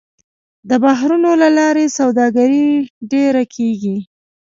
د بحرونو له لارې سوداګري ډېره کېږي.